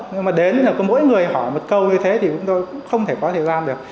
nhưng mà đến mỗi người hỏi một câu như thế thì tôi cũng không thể có thời gian được